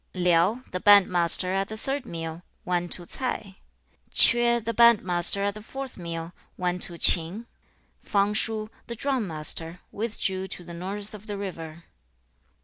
Liao, the band master at the third meal, went to Ts'ai. Chueh, the band master at the fourth meal, went to Ch'in. 3. Fang shu, the drum master, withdrew to the north of the river.